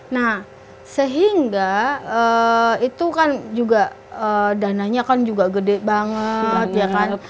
nah sehingga itu kan juga dananya kan juga gede banget ya kan